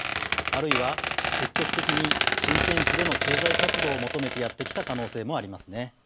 あるいは積極的に新天地での経済活動を求めてやって来た可能性もありますね。